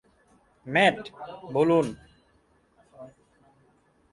Mat, বলুন?